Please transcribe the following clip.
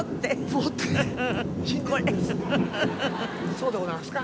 そうでございますか？